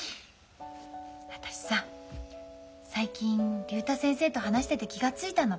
私さ最近竜太先生と話してて気が付いたの。